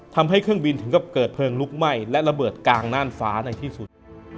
ทำให้เครื่องบินถึงกับเกิดเพลิงลุกไหม้และระเบิดกลางน่านฟ้าในที่สุด